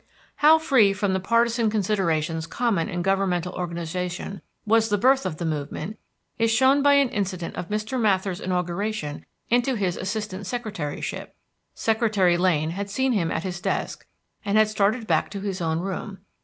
How free from the partisan considerations common in governmental organization was the birth of the movement is shown by an incident of Mr. Mather's inauguration into his assistant secretaryship. Secretary Lane had seen him at his desk and had started back to his own room.